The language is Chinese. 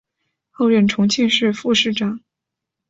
后任重庆市副市长。